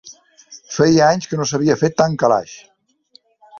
Feia anys que no s'havia fet tan calaix